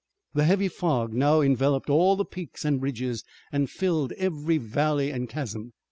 The heavy fog now enveloped all the peaks and ridges and filled every valley and chasm.